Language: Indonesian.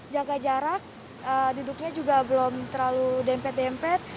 jaga jarak duduknya juga belum terlalu dempet dempet